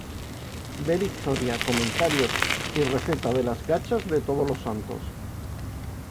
Ver historia, comentarios y receta de las Gachas de Todos los Santos.